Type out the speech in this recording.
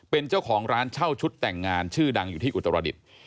เป็นเจ้าของร้านเช่าชุดแต่งงานชื่อดังอยู่ที่อุตรดิษฐ์